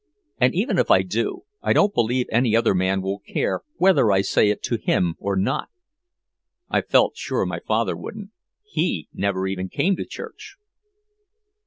"And even if I do, I don't believe any other man will care whether I say it to him or not." I felt sure my father wouldn't. He never even came to church.